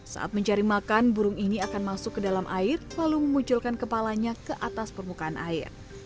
saat mencari makan burung ini akan masuk ke dalam air lalu memunculkan kepalanya ke atas permukaan air